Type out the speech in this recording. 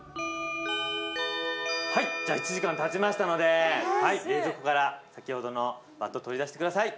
はいじゃあ１時間たちましたので冷蔵庫から先ほどのバット取り出してください。